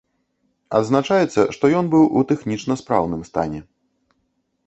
Адзначаецца, што ён быў у тэхнічна спраўным стане.